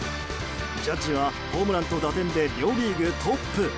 ジャッジはホームランと打点で両リーグトップ。